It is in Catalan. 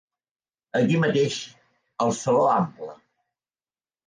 Aquí mateix, al Saló Ample.